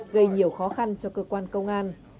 gây nhiều khó khăn cho cơ quan công an